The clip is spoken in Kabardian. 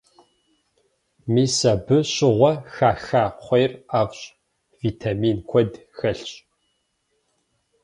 Мис абы щыгъуэ хаха кхъуейр ӏэфӏщ, витамин куэду хэлъщ.